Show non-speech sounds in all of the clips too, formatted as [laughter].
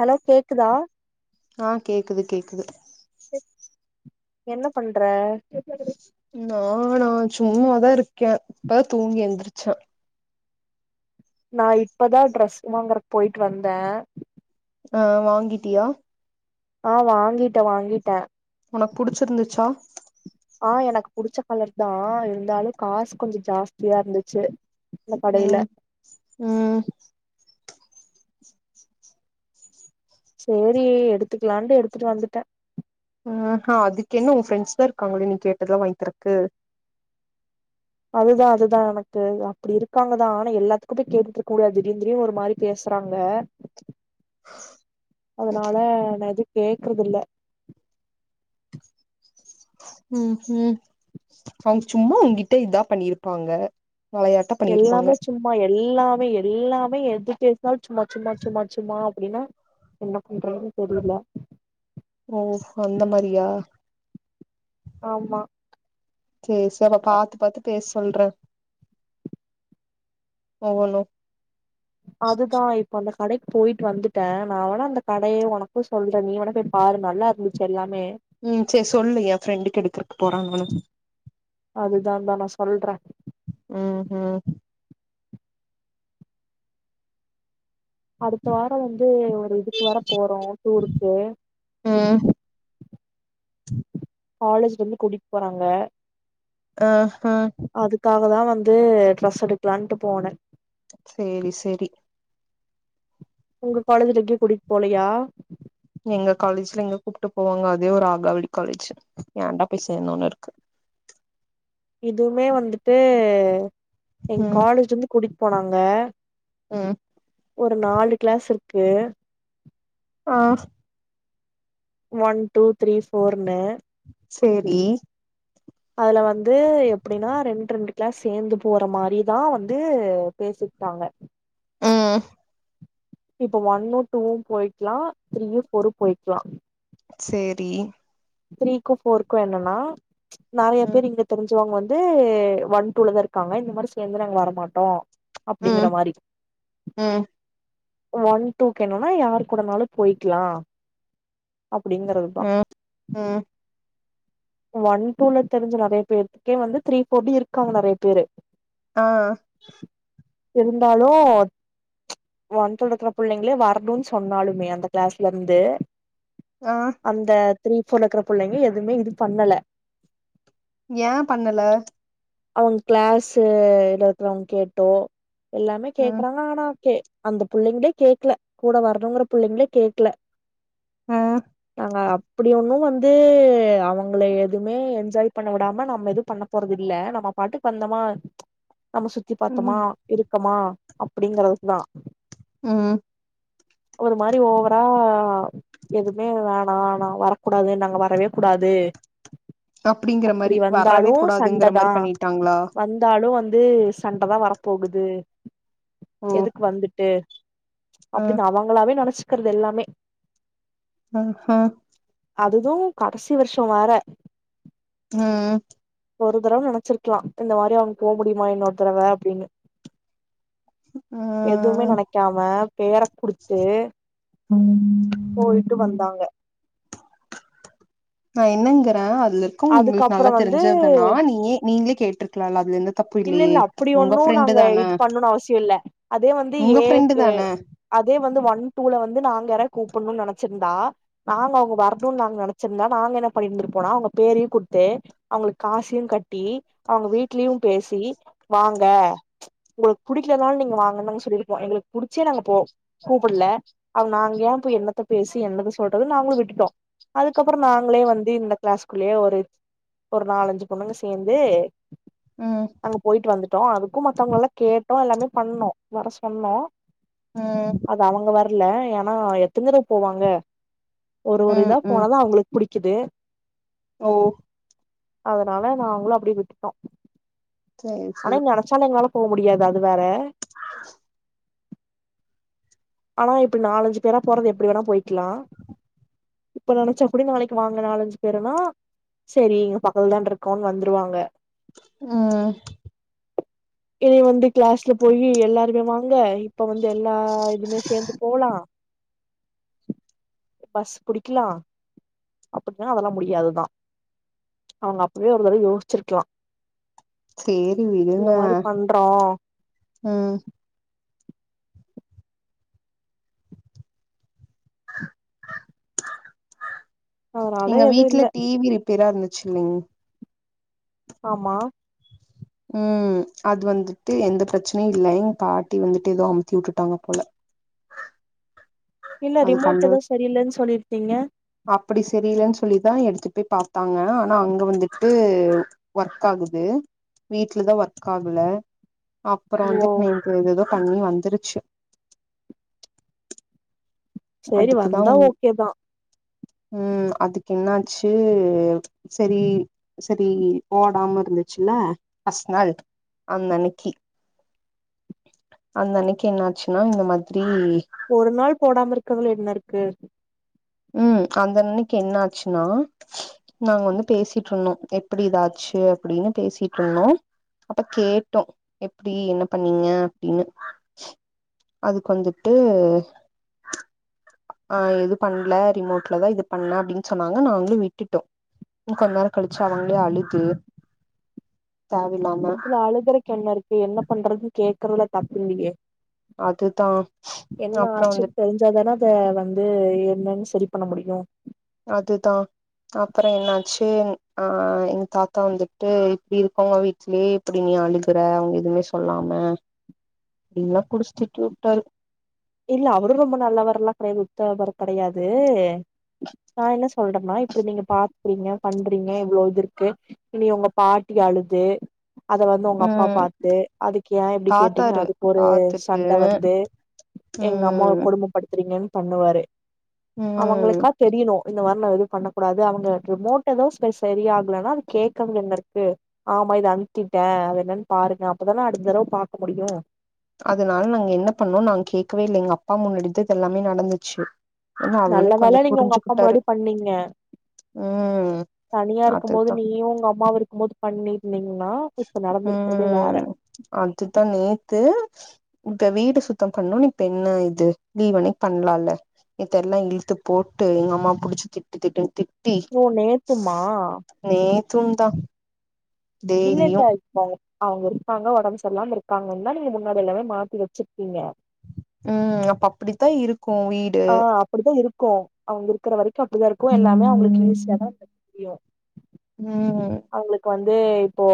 Hello கேக்குதா ஆ கேக்குது கேக்குது என்ன பண்ற நானா சும்மாதான் இருக்கேன் இப்பதான் தூங்கி எந்திரச்சே நான் இப்பதான் ட்ரெஸ் வாங்குறது போயிட்டு வந்தேன் ஆ வாங்கிட்டியா ஆ வாங்கிட்டேன் வாங்கிட்டேன் உனக்கு புடிச்சிருந்துச்சா ஆ எனக்கு புடிச்ச கலர் தான் இருந்தாலும் காசு கொஞ்சம் ஜாஸ்தியா இருந்துச்சு அந்த கடையில ம் ம் சேரி எடுத்துக்லான்ட்டு எடுத்துட்டு வந்துட்ட ஆ அதுக்கென்ன உ ஃப்ரெண்ட்ஸ்தா இருக்காங்ளே நீ கேட்டதலா வாங்கீ தருக்கு அதுதா அதுதா எனக்கு அப்டி இருக்காங்கதா ஆனா எல்லாத்துக்கு போய் கேட்டுட்ருக்க முடியாது திடீர் திடிர்னு ஒரு மாரி பேசறாங்க அதனால நா எது கேக்கறதுல்ல ம் ம் அவங் சும்மா உங்கிட்ட இதா பண்ணிருப்பாங்க வெளையாட்டா பண்ணிருப்பாங்க எல்லாமே சும்மா எல்லாமே எல்லாமே எதுக்க சும்மா சும்மா சும்மாச்சும்மா அப்டினா என்ன பண்றதுன்னு தெரில ஓ அந்த மாரியா ஆமா சேரி சேரி அப்ப பாத்து பாத்து பேசு சொல்ற ஒவ்வொன்னும் அதுதா இப்ப அந்த கடைக் போயிட் வந்துட்ட நா வேனா அந்த கடைய உனக்கும் சொல்ற நீ வேன போய் பாரு நல்லா இருந்துச்சு எல்லாமே ம் சேரி சொல்லு எ ஃப்ரெண்டுக்கு எடுக்றக்கு போற நானு அதுதான்டா நா சொல்றே ம் ம் அடுத்த வாரம் வந்து ஒரு இதுக்கு வர போறோம் டூருக்கு ம் காலேஜ்லருந்து கூட்டிட் போறாங்க அஹ்ஹ அதுக்காக தா வந்து ட்ரெஸ் எடுக்லான்ட்டு போன சேரி சேரி உங்க காலேஜ்ல டூர் கூட்டிட் போலையா எங்க காலேஜ்ல எங்க கூப்ட்டு போவாங்க அதே ஒரு ஆகாவளி காலேஜு ஏன்டா போய் சேந்தனுருக்கு எதுமே வந்துட்டு எ காலேஜ் வந்து குடி போனாங்க உம் ஒரு நாலு கிளாஸ் இருக்கு ஆஹ் ஒன் டூ த்ரீ ஃபோர்னு சேரி அதுல வந்து எப்டினா ரெண் ரெண்டு கிளாஸ் சேந்து போற மாரிதா வந்து பேசிட்டாங்க உம் இப்ப ஒன்னும் டூவும் போயக்லா த்ரீயும் ஃபோரும் போயக்லா சேரி த்ரீக்கும் ஃபோர்க்கும் என்னனா நிறய ம் பேர் இங்க தெரிஞ்ச சிவங்க வந்து ஒன்டூலதா இருக்காங்க இந்த மாரி சேந்துலா நாங்க வரமாட்டோம் அப்டிங்ற ம் மாரி ம் ஒன் டூ கேணுனா யார் கூடனாலு போய்க்லாம் அப்டிங்கறதுதா ம் ம் ஒன் டூ ல தெரிஞ்ச நெறைய பேத்துக்கே வந்து த்ரீ ஃபோர்டி இருக்காங்க நெறைய பேரு ஆ இருந்தாலு ஒன் [unintelligible] புள்ளங்ளே வரணுன் சொன்னாலுமே அந்த கிளாஸ்லருந்து ஆ அந்த த்ரீ ஃபோல்லக்குற புள்ளைங்க எதுமே இது பண்ணல ஏ பண்ணல அவங் கிளாஸு [unintelligible] அவுங் கேட்டோ எல்லாமே ம் கேக்குறாங்க ஆனா க்கே அந்த புள்ளைங்ளே கேக்ல கூட வரணுங்குற புள்ளைங்ளே கேக்ல ஆ நாங்க அப் புடி ஒன்னு வந்து அவுங் ங்கள எதும்மே என்ஜாய் பண்ண வுடாம நம்ம எதுப் பண்ண போறதில்ல நம்ம பாட்டுக் வந்தொமா நம்ம சுத்தி ம் பாத்தொமா இருக் கமா அப்படிங்கறதுக்குதா ம் ஒரு மாரி ஓவரா எதுமே வேணா நா வரக்கூடாது நாங்க வரவே கூடாது அப்டிங்கிற மாரி அப்பிடி வரவே வந்தாலு கூடாதுங்கிற சண்டதா மாரி பண்ணிட்டாங்களா வந்தாலு வந்து சண்டதா வர போகுது ஓ எதுக்கு வந்துட்டு ஆ அப்டின் அவங்களாவே நெனச்சு க்கறதெல்லாமே அ ஹ அதுது கடைசி வருஷ வேற ம் ஒரு தடவ நெனச்சிருக்கலா இந்த மாரி அவுங்க போ முடியுமா இன்னொரு தடவ அப்டின்னு எதுவுமே ம் நெனைக்காம பேர குடுத்து போயிட்டு வந்தாங் க நா என்னங்கறே அ துல இருக்கங் உங்களுக்கு நல்லா அதுக்கப்புறம் வந்து தெரிஞ்சதனா நீங் எ நீங்ளே கேட்ருக்லால அதுலந்து இல்லெல்ல அப்பிடி ஒன்னு நாங்க இது பண்னுன் அவசியல்ல அதே வந்து உங்க ஏ ஃப்ரெண்டு தான அதே வந்து ஒன் டூ ல வந்து நாங்க யார கூப்பண்ணுன் நெனச்சுருந்தா நாங்க அவுங்க வரணுன் நாங்க நெனச்சுருந்தா நாங்க என்ன பண்ணிருந்துருப்போனா அவுங்க பேரையு குட்த்து அவுங்களுக் காசையு கட்டி அவுங்க வீட்லெயு பேசி வாங்க உங்களுக் புடிக்கலனாலு நீங்க வாங்கன் நாங்க சொல்லிருப்போ எங்களுக் புடிச்சே நாங்க போ கூப்புல்ல அப நாங் ஏ போயி என்னத்த பேசி என்னத்த சொல்றதுன் நாங்களு விட்டுட்டோ அதுக்கப்பற நாங்களே வந்து இந்த கிளாஸ்குள்ளயே ஒரு ஒரு நாலஞ்சு பொண்ணுங்க சேந்து ம் அங்க போயிட்டு வந்துட்டோ அதுக்கு மத்தவங்களெலா கே ட்டோ எல்லாமே பண்ணோ வர சொன்னோ ம் அது அவுங்க வர இல்ல ஏன்னா எத்தன தரவ போவாங்க ஒரு ஒரு ம் இதா ம் போனாதா அவங்களுக்கு புடிக் கிது ஓ அதனால நாங்களு அப்டியே விட்டுட்டோ சேரி ஆனா சேரி நெனச்சாலு எங்களால போ முடியாது அது வேற அ ஆனா இப்ப நாலஞ்சு பேரா போறது எப்டி வேணா போய்க்கிலா இப்ப நெனைச்சக்கூட நாளைக்கு வாங்க நாலஞ்சு பேருனா செரி இங்க பக்கத்துலதான இருக்கோனு வந்துருவாங்க ம் இனி வந்து கிளாஸ்ல போயி எல்லாருமே வாங்க இப்ப வந்து எல்லா இதுமே சேந்து போலா பஸ் புடிக்கலா அப்டின்னா அதெல்லா முடியாதுதா அவங்க அப்பவே ஒரு தடவ யோசிச்சிருக்லா சேரி விடுங்க ம் அதனால எங்க எதுவு வீட்ல இல்ல டி வி ரிப்பேரா இருந்து சொல்லுங் ஆமா ம் அது வந்துட்டு எந்த பிரச்னையு இல்ல எங்க பாட்டி வந்துட்டு எதோ அமுத்தி விட்டுட்டாங்க போல இல்ல ரிமோட் எதோ சரியில்லன் சொல்லி டிங்க அப்பிடி சரியில்லன் சொல்லிதா எடுத்துட் போய் பாத்தாங்க ஆனா அங்க வந்துட்டு ஒர்க் ஆகுது வீட்டுலதா ஒர்க் ஆகுல அப்பற வந்து ஓ நேத்து ஏதேதோ பண்ணி வந்துருச்சு சேரி அதுக்குதா வந்தா ஓகேதா ம் அதுக்கு என்னாச்சு செரி செரி ஓடாம இருந்துச்சுல ஃபஸ்ட் நாள் அந்தன்னிக்கு அந்த அன்னைக்கு என்னாச்சுனா இந்த மாதிரி ஒரு நாள் போடாம இரு க்றதுல என்ன இருக்கு ம் அந்த அன்னிக்கி என்ன ஆச்சுனா நாங்க வந்து பேசிட்ருந்தோ எப்பிடி இதாச்சு அப்டின்னு பேசிட்ருந்தோ அப்ப கேட்டோ எப்டி என்ன பண்ணிங்க அப்டினு அதுக்கு வந்துட்டு அ எது பண்ல ரிமோட்லதா இது பண்ண அப்டின் சொன்னாங்க நாங்ளு விட்டுட்டோ கொஞ்ச நேர கழிச்சு அவங்களே அழுது தேவயில்லாம இதுல அழுகறக்கு என்ன இருக்கு என்ன பண்றதுன் கேக் கறதுல தப்பில்லியே அதுதா அப்ற வந்து ஆச்சுன்னு தெரிஞ்சாதான அத வந்து என்னன் செரி பண்ண முடியு அதுதா அப்பற என்னாச்சு அ எங்க தாத்தா வந்துட்டு இப்டி இருக்கவுங்க வீட்லயே இப்பிடி நீ அழுகுற அவங்க எதுமே சொல்லாம அப்டின்லா புடிச்சு திட்டி உட்டாரு விட்டாரு இல்ல அவரு ரொம்ப நல்லவர்லா கெடையாது உத்தவர் கெடையாது நா என்ன சொல்றன்னா இப் ப நீங்க பாக்றிங்க பண்றிங்க இவ்ளோ இது இருக்கு இனி உங்க பாட்டி அழுது அத வந்து உங்க அப்பா ம் பாத்து அதுக்கு ஏ இப்டி கேட்டிங்க பாத்தாரு அதுக்கு ஒரு பாத்துட்டு சண்ட வந்து எங்கம்மாவ ம் கொடும படுத் றிங்கன் பண்ணுவாரு ம் அவங்களுக்கா தெரியுணு இந்த மாரி நா எதுவு பண்ண கூடாது அவங்க ரிமோட் எதோ ஸ சரி ஆகலனா அது கேக்கறதுல என்ன இருக்கு ஆமா இத அமித்திட்டே அது என்னன் பாருங்க அப்பதான அடுத்த தடவ பாக்க முடியு அதனால நாங்க என்ன பண்ணோ நாங்க கேக்கவே இல்ல எங்கப்பா முன்னாடிதா இது எல்லாமே நடந்துச்சு ஏன்னா நல்ல அவரே கொஞ்சோ வேல நீங்க உங்க அப்பா புரிஞ்சுக்கிட்டாரு முன்னாடி பண்ணீங்க ம் தனியா அதுதா இருக்கும்போது நீயு உங்க அம்மாவு இருக்கும்போது பண்ணிருந்திங்னா இப்ப நடந்திருக்றதே வேற ம் அதுதா நேத்து இப்ப வீடு சுத்தம் பண்ணுனு இப்ப என்ன இது லீவ் அன்னைக் பண்லால நேத்தெல்லா இழுத்து போட்டு எங்க அம்மாவ புடிச்சு திட்டு திட்டுன் ஓ நேத்துமா தும்தா இல்ல இல்ல இப்பவ அவங்க இருக்காங்க ஒடம்பு சரியில்லாம இருக்காங்கன்னுதா நீங்க முன்னாடி எல்லாமே மாத்தி வச்சிருப்பீங்க ம் அப்ப அப்டித்தா இரு க்கு வீடு க்கு அவங்க இருக்குற வரைக்கு அப்டிதா இருக்கு எல்லாமே அவங்களுக்கு ஈஸியாதா தெரியு ம் து இப்போ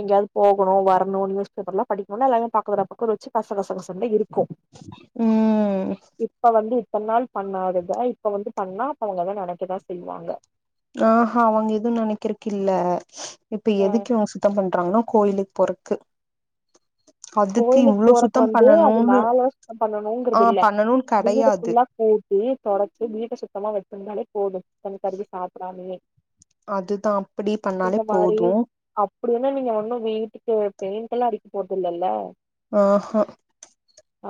எங்கயாவது போகணு வரணு நியூஸ் பேப்பர்லா படிக்னு எல்லாமே பக்கத்துல பக்கத்துல வச்சு கசகசகசனே இருக் க்கு ம் இப்ப வந்து இத்தனநாள் பண்ணாததா இப்ப வந்து பண்ணா அப்ப அவங்கதா நெனைக்கதா செய்வாங்க ஆஹ அவங்க எதுவு நெனைக்கிறக்கு இல்ல இப்ப ஆ எதுக்கு இவங்க சுத்தம் பண்றாங்னா கோயிலு போறக்கு அதுக்கு கோயிலுக்கு இவ்ளோ போறக்கு சுத்தம் வந்து அது பண்ணணுன்னு மேலலா சுத்தம் ஆ பண்ணணுங்கிறதில்ல பண்ணணுன்னு வீடு கெடையாது ஃபுல்லா கூட்டி தொடைச்சு வீட்ட சுத்தமா வெச்சிருந்தாலே போது தனி கறியு சாப்டாமயே அதுதா அப்டி இந்த பண்ணாலே மாரி போது அப்டி என்ன நீங்க ஒண்ணு வீட்டுக்கு பெயிண்ட எல்லா அடிக்க போறது இல்லல்ல ஆஹ ஆ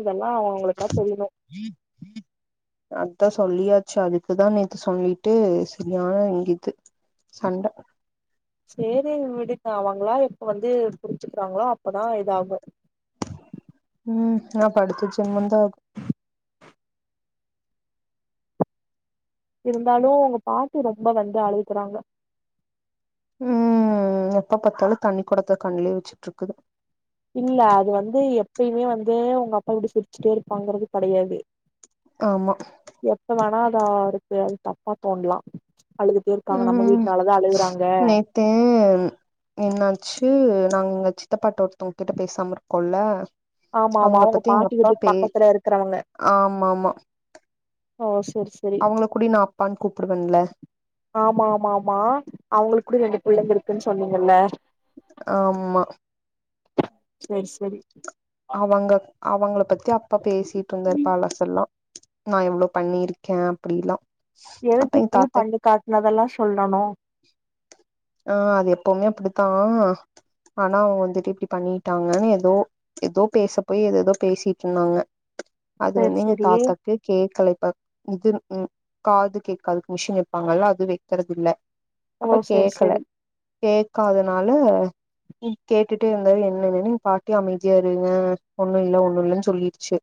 இதெல்லா அவங்க அவங்களுக்கா தெரியுணு அதா சொல்லியாச்சு அதுக்குதா நேத்து சொல்லிட்டு சரியான இங்க இது சண்ட செரி விடுக்கா அவங்களா எப்ப வந்து புடிச்சுக்கிறாங்களோ அப்பதா இதாகு ம் நா படுத்துச்சுமந்த இருந்தாலு உங்க பாட்டி ரொம்ப வந்து அழுகுறாங்க ம் எப்ப பாத்தாலு தண்ணி கொடத்த கண்லயே வெச்சுட்ருக்குது இல்ல அது வந்து எப்பயுமே வந்து உங்க அப்பா இப்டி சிரிச்சுட்டே இருப்பாங்கறது கெடையாது ஆமா எப்ப வேணா ந்தாளுக்கு அது தப்பா தோணலா அழுதுட்டே இருக்காங்க நம்ம ம் வீட்னாலதா அழுகுறாங்க நேத்து என்னாச்சு நாங்க இங்க சித்தப்பாட்ட ஒருத்தவங்க கிட்ட பேசாம இருக்கோல்ல ஆமாமா அவங்கள அவங்க பத்தி எங்க பாட்டி அப்பா வீட்டுக்கு பே பக்கத்துல இருக்கிறவங்க ஆமா ஆமா ஓ செர் செரி அவங்கள கூடி நா அப்பான்னு கூப்பிடுவேன்ல ஆமா ஆமா ஆமா அவங்களுக்கு கூட ரெண்டு பிள்ளைங்க இருக்குன் சொன்னிங்கல்ல. ஆமா செரி செரி அவங்க அவங்கள பத்தி அப்பா பேசிட்ருந்தாரு பழசெல்லா நா எவ்ளோ பண்ணிருக்கே அப்படிலா எதுக்கு இப்பயு பண்ணி காட்டுனதெல்லா சொல்லணு ஆஹ் அது எப்பவுமே அப்படித்தான் ஆனா அவங்க வந்துட்டு இப்படி பண்ணிட்டாங்கன்னு ஏதோ ஏதோ பேசப்பய் ஏத ஏதோ பேசிட்டு இருந்தாங்க. அது செரி வந்து எங்க செரி தாதாக்கு கேக் கலைப்பா இது உம் காது கேட்காதுக்கு மிஷின் வைப்பாங்கல்ல அது வைக்கறிறது இலல் ஓ சரி சரி க்கல கேட்காதுன. அதனால நீ கேட்டுட்டு இருந்தால என்னனன்னு பாட்டி அமைதியா இருங்க. ஒன்னும் இல்ல ஒன்னும் இல்லைன்னு சொல்லிருச்சு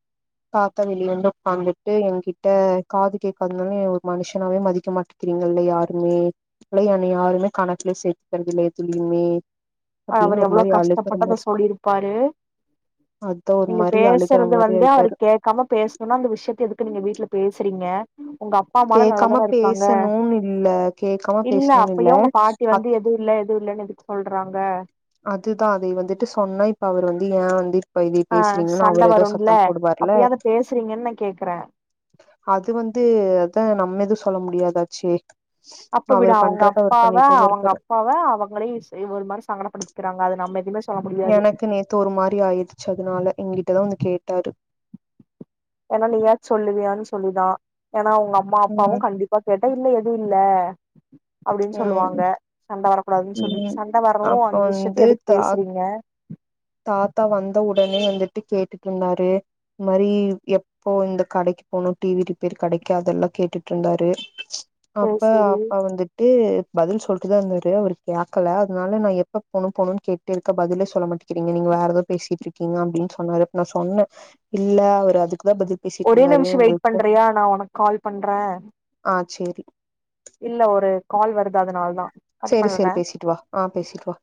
காத்தா வெளியே வந்து உட்காந்துட்டு என்கிட்ட காது கேட்காதுனாலும் ஒரு மனுஷனாவே மதிக்க மாட்டேக்கிறீங்கல்ல. யாருமே இல்ல என்னை யாருமே காணக்கல சேத்தக்கந்துல தலுமே அவர் எவ்வளவு கஷ்டப்பட்டு அத சொல்லியிருப்பாரு. அதா ஒரு நீங்க மாரி அழுகுற பேசுறது மாரி வந்து அவரு ஆயிட்டாரு கேட்காம பேசணும்னா அந்த விஷயத்த எதுக்கு நீங்க வீட்டுல பேசுறீங்க. உங்க அப்பா அம்மாலும் கேக்காம நல்லாாதானே இருக்காங்க. பேசணுனு இல்ல கேக்காம இல்ல பேசணுனு அப்பயோ உங்க பாட்டி வந்து அத் எதுவும் இல்ல எதுவும் இல்லன்னு எதுக்கு சொல்றாங்க. அதுதான் அதை வந்துட்டு சொன்னா இப்ப அவர் வந்து ஏன் வந்து பைதி ஆ பேசுறீங்கன்னா சண்ட அவர் ஏதோ வரும்ல சத்தம் போடுவார்ல அப்பயாது பேசுறீங்கன்னு நா கேக்குறே அது வந்து அதான் நம்ம எத ஸ் சொல்ல முடியாதாச்சே அப்ப விட அவரு அவங்க பண்றத அவரு அப்பாவ பண்ணிட்டேதா அவங்க இருப்பாரு அப்பாவ அவங்களே ஒரு மாதிரி சங்கடப்படு இருக்காங்க அது நம எதுமே ஸ் எனக்கு நேத்து ஒரு மாதிரி ஆயிடுச்சு அதனால எகிட்டதான் வந்து கேட் தாரு ஏன்னா நீயாது சொல்லுவியான்னு சொல்லிதான். ஏன்னா அவங்க உங்க அம்மா ம் அப்பாவும் கண்டிப்பா கேட்டன் இல்லலை. எது இல்ல அப்படின்னு சொல்லுவாங்க சண்டை வர உம் அப்ப வந்து எதுக்கு தா பேசுறீங்க தாத்தா வந்த உட டனே வந்துட்டு கேட்டுட்டு இருந்தாரு இந்த மாதிரி எப்போ இந்த கடைக்கு போகனும் டிவி ரிப்பேர் கடைக்கு அதெல்லாம் கேட்டுட்டு இருந்தாரு அப்ப சேரி சேரி அப்பா வந்துட்டு பதில் சொல்லிட்டுதான் இருந்தாரு ஒரு கேட்கல அதனால நான் எப்ப போணும் போணும்ன்னு கேட்டுட்டு இருக்கே பதிலே சொல்ல மாட்டேக்கிறீங்க நீங்க வேற ஏதோ பேசிட்டு இருக்கீங்க அப்படின்னு சொன்னாரு அப்ப நான் சொன்னேன் இல்ல அவரு அதுக்கு ஒரே நிமிஷம் வெயிட் பண்றியா நான் உனக்கு கால் பண்றேன் ஆ சேரி இல்ல ஒரு கால் வருது அதனால தான் சரி சரி பேசிட்டு வா ஆஹ் பேசிட்டு வா